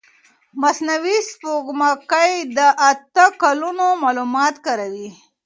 مصنوعي سپوږمکۍ د اته کلونو معلومات کارولي.